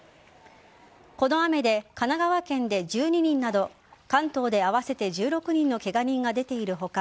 この雨で神奈川県で１２人など関東で合わせて１６人のケガ人が出ている他